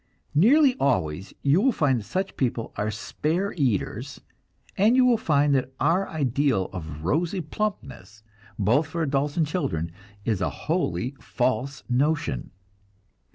Nearly always you will find that such people are spare eaters; and you will find that our ideal of rosy plumpness, both for adults and children, is a wholly false notion.